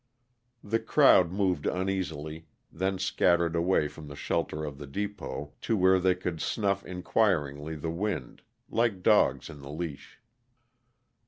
The crowd moved uneasily, then scattered away from the shelter of the depot to where they could snuff inquiringly the wind, like dogs in the leash.